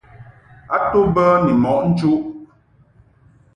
A to bə ni mɔʼ nchuʼ.